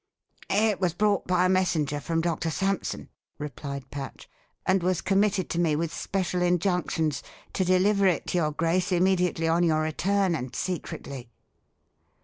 "It was brought by a messenger from Doctor Sampson," replied Patch, "and was committed to me with special injunctions to deliver it to your grace immediately on your return, and secretly."